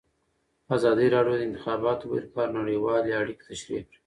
ازادي راډیو د د انتخاباتو بهیر په اړه نړیوالې اړیکې تشریح کړي.